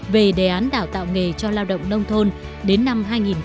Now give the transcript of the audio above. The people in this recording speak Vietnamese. về đề án đào tạo nghề cho lao động nông thôn đến năm hai nghìn hai mươi